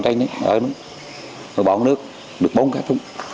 rồi bỏ nước được bốn cái thúng